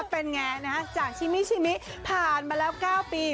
เป็นไงนะฮะจากชิมิชิมิผ่านมาแล้ว๙ปี